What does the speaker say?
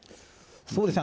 そうですね。